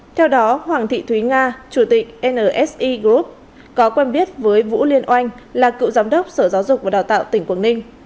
theo đó hoàng thị thúy nga chủ tịch nsi group có quen biết với vũ liên oanh là cựu giám đốc sở giáo dục và đào tạo tỉnh quảng ninh